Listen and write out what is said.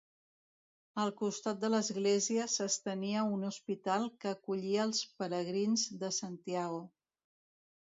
Al costat de l'església s'estenia un hospital que acollia als pelegrins de Santiago.